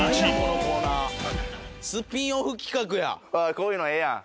こういうのええやん。